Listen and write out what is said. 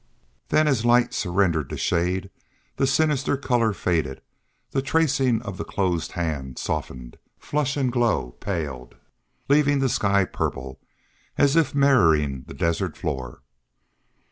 Then, as light surrendered to shade, the sinister color faded; the tracing of the closed hand softened; flush and glow paled, leaving the sky purple, as if mirroring the desert floor.